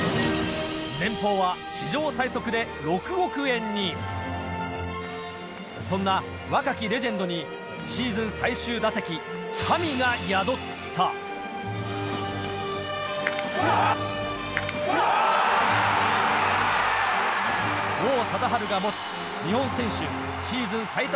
年俸は史上最速で６億円にそんな若きレジェンドにシーズン最終打席神が宿った王貞治が持つ日本選手シーズン最多